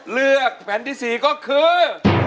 เลือกแผ่นที่๔ก็คือ